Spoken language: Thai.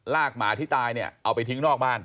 ลากหมาที่ตายเอาไปทิ้งนอกบ้าน